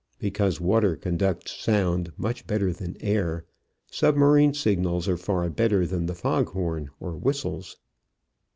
Because water conducts sound much better than air, submarine signals are far better than the fog horn or whistles.